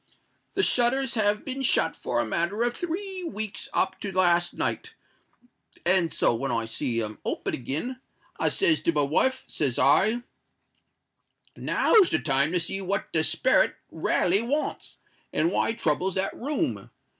"The shutters has been shut for a matter of three weeks up to last night; and so when I see 'em open agen, I says to my wife, says I, '_Now's the time to see what the sperret raly wants, and why he troubles that room.